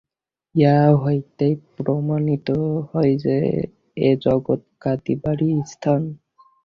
ইহা হইতেই প্রমাণিত হয় যে, এ জগৎ কাঁদিবারই স্থান।